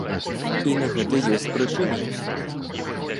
І на гэта ёсць прычыны.